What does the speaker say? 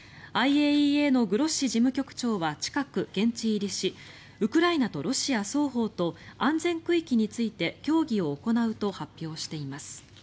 ＩＡＥＡのグロッシ事務局長は近く、現地入りしウクライナとロシア双方と安全区域について協議を行うと発表しています。